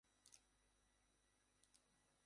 নিজামুদ্দিন সাহেবের চোখ-মুখ উজ্জ্বল হয়ে উঠল।